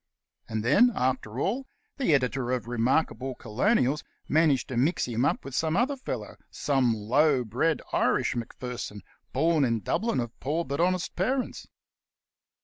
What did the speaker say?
And then, after all, the editor of c 25 The Cast iron Canvasser "Remarkable Colonials" managed to mix him up with some other fellow, some low bred Irish McPherson, born in Dub lin of poor but honest parents.